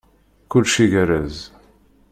Kullec igerrez.